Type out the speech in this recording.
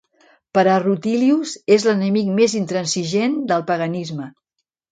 Per a Rutilius, és l'enemic més intransigent del paganisme.